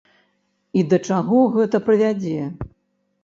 І да чаго гэта прывядзе?